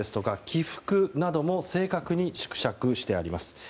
起伏なども正確に縮尺してあります。